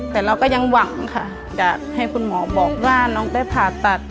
แต่เราก็ยังหวังค่ะอยากให้คุณหมอบอกว่าน้องได้ผ่าตัด